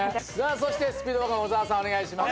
そしてスピードワゴン小沢さんお願いします。